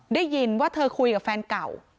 ได้ยินว่าเธอคุยกับแฟนเก่า